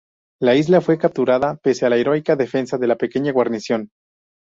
La isla fue capturada pese a la heroica defensa de la pequeña guarnición.